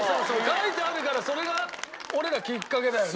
書いてあるからそれが俺らきっかけだよね。